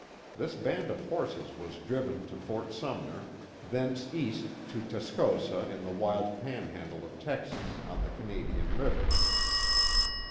This band of horses was driven to Fort Sumner, thence east to Tascosa in the wild Panhandle of Texas, on the Canadian river.